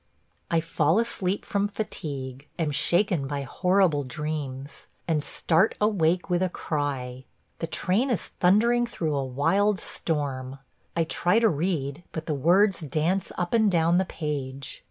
... I fall asleep from fatigue, am shaken by horrible dreams, and start awake with a cry. The train is thundering through a wild storm. I try to read, but the words dance up and down the page.